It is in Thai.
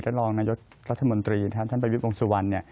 และรองนายทรัฐมนตรีท่านประวิปองค์สุวรรณ